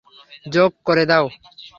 যোগ করে দাও।